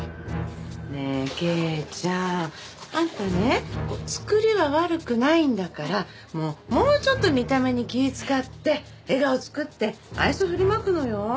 ねえ圭ちゃんあんたねこう作りは悪くないんだからもうちょっと見た目に気ぃ使って笑顔作って愛想振りまくのよ。